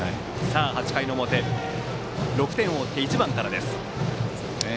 ８回の表、６点を追って１番から。